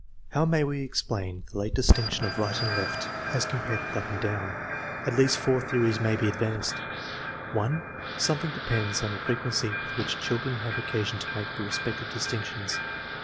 How may we explain the late distinction of right and left as compared with up and down? At least four theories may be advanced: (1) Something depends on the frequency with which children have occasion to make the respective distinctions.